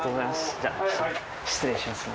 じゃあ失礼しますね。